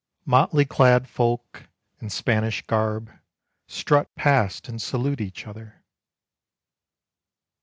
Motley clad folk in Spanish garb Strut past and salute each other.